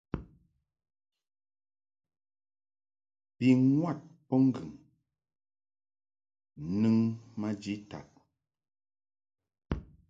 Bi ŋwad mbɔbŋgɨŋ nɨŋ maji tad.